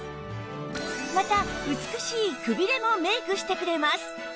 また美しいクビレもメイクしてくれます